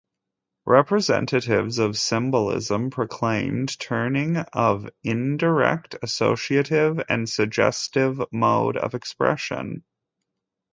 Representatives of Symbolism proclaimed turning of indirect, associative and suggestive mode of expression.